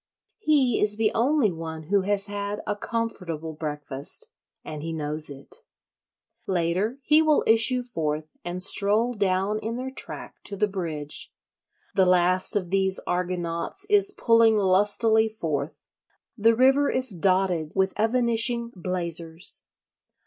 He is the only one who has had a comfortable breakfast—and he knows it. Later he will issue forth and stroll down in their track to the bridge. The last of these Argonauts is pulling lustily forth; the river is dotted with evanishing blazers.